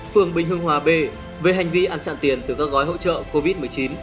phường bình hương hòa b về hành vi ăn chặn tiền từ các gói hỗ trợ covid một mươi chín